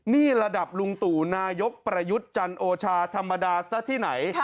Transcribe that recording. นี่ระดับลุงตู่นายกประยุทธ์จันโอชาธรรมดาซะที่ไหน